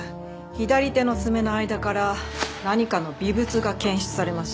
左手の爪の間から何かの微物が検出されました。